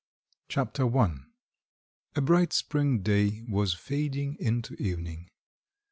Chapter I A bright spring day was fading into evening.